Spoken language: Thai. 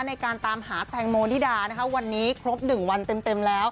ในการตามหาแตงโมนิดานะคะวันนี้ครบ๑วันเต็มแล้ว